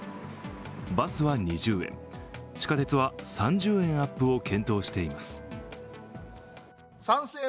バスは２０円、地下鉄は３０円アップを検討しています。